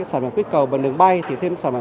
sản phẩm kích cầu và đường bay thì thêm sản phẩm